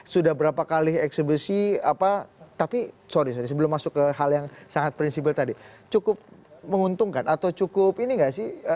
sudah berapa kali eksebisi apa tapi sorry sorry sebelum masuk ke hal yang sangat prinsipil tadi cukup menguntungkan atau cukup ini nggak sih